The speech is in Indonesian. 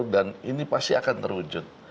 dan ini pasti akan terwujud